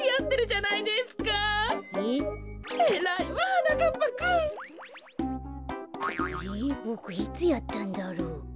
あれボクいつやったんだろう？